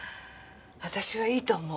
私はいいと思う。